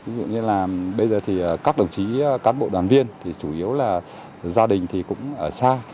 ví dụ như là bây giờ thì các đồng chí cán bộ đoàn viên thì chủ yếu là gia đình thì cũng ở xa